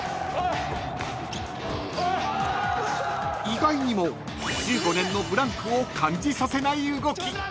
［意外にも１５年のブランクを感じさせない動き］